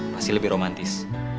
pasti lebih romantis